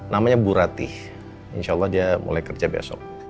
namanya bu ratih insya allah dia mulai kerja besok